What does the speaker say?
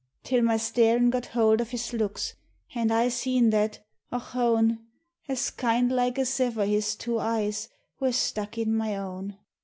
Till my starin' got hold of his looks, an' I seen that (ochone !) As kind like as iver his two eyes were stuck in my own.